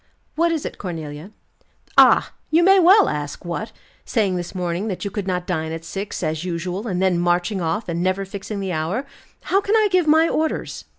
"What is it, Cornelia?" "Ah! You may well ask what? Saying this morning that you could not dine at six, as usual, and then marching off, and never fixing the hour. How can I give my orders?"